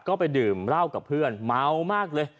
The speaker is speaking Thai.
ก็ไปดื่มเหล้ากับเพื่อนเมามากเลย